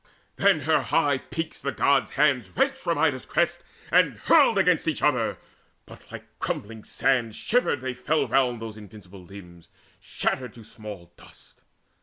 Then her high peaks The Gods' hands wrenched from Ida's crest, and hurled Against each other: but like crumbling sands Shivered they fell round those invincible limbs, Shattered to small dust.